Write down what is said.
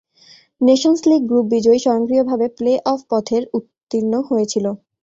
Nations League group বিজয়ী স্বয়ংক্রিয়ভাবে playoff পথের উত্তীর্ণ হয়েছিল।